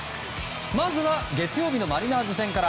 まずは月曜日のマリナーズ戦から。